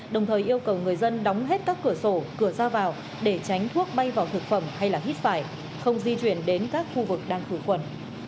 đồng thời yêu cầu người dân đóng hết các cửa sổ cửa ra vào để tránh thuốc bay vào thực phẩm hay hít phải không di chuyển đến các khu vực đang khử khuẩn